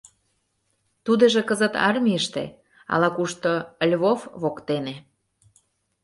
Тудыжо кызыт армийыште, ала-кушто Львов воктене.